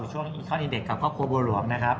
ช่วงเช้าเด็กกับครอบครัวบัวหลวงนะครับ